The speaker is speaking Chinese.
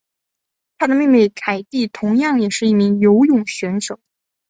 她的妹妹凯蒂同样也是一名游泳选手。